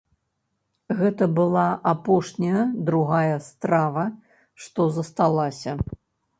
Гэта была апошняя другая страва, што засталася.